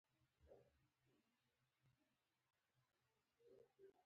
د تشریفاتو په وخت کې خولۍ پر سر کوي.